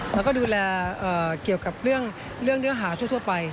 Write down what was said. แล้วก็ดูแลเกี่ยวกับเรื่องเนื้อหาทั่วไป